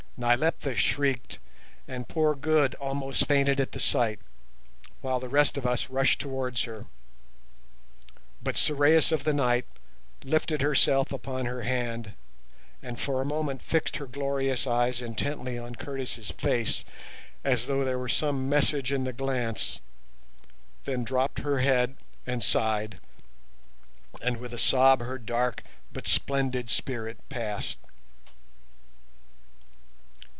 Nyleptha shrieked, and poor Good almost fainted at the sight, while the rest of us rushed towards her. But Sorais of the Night lifted herself upon her hand, and for a moment fixed her glorious eyes intently on Curtis' face, as though there were some message in the glance, then dropped her head and sighed, and with a sob her dark but splendid spirit passed.